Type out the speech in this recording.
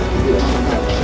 ini kecil nih